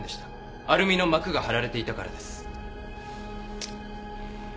アルミのまくが貼られていたからです。